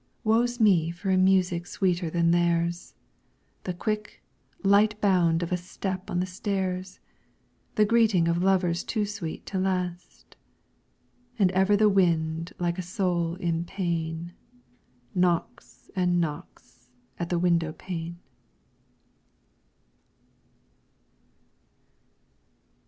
Woe's me for a music sweeter than theirs The quick, light bound of a step on the stairs, The greeting of lovers too sweet to last: And ever the wind like a soul in pain Knocks and knocks at the window pane.